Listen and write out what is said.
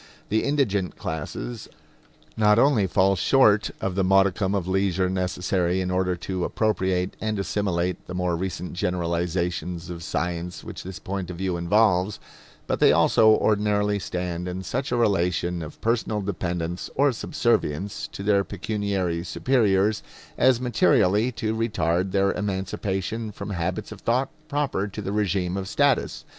The indigent classes not only fall short of the modicum of leisure necessary in order to appropriate and assimilate the more recent generalizations of science which this point of view involves, but they also ordinarily stand in such a relation of personal dependence or subservience to their pecuniary superiors as materially to retard their emancipation from habits of thought proper to the regime of status.